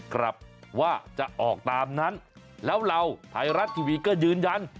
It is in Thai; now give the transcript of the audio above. ครับว่าจะออกตามนั้นแล้วเราไทยรัฐทีวีก็ยืนยัน